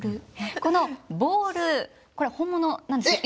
このボールこれ本物なんですよ。